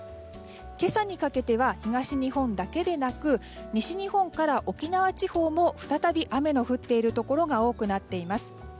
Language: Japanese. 今朝にかけては東日本だけでなく西日本から沖縄地方も再び雨の降っているところが多くなっています。